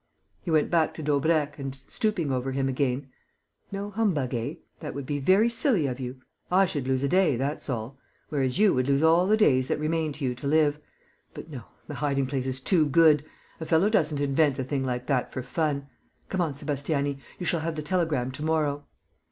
He went back to Daubrecq and, stooping over him again: "No humbug, eh? That would be very silly of you. I should lose a day, that's all. Whereas you would lose all the days that remain to you to live. But no, the hiding place is too good. A fellow doesn't invent a thing like that for fun. Come on, Sébastiani. You shall have the telegram to morrow."